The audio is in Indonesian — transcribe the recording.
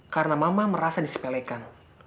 karena mama merasa disipelekan